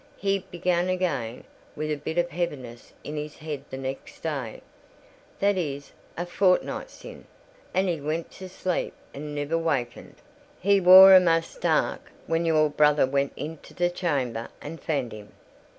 He began again with a bit of a heaviness in his head the next day—that is, a fortnight sin'—and he went to sleep and niver wakened: he wor a'most stark when your brother went into t' chamber and fand him.